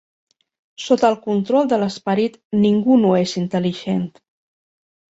Sota el control de l'esperit ningú no és intel·ligent.